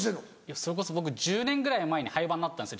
それこそ僕１０年ぐらい前に廃番になったんですよ